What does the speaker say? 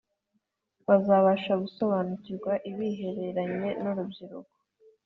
bazabashe gusobanukirwa ibihereranye n’Urubyaro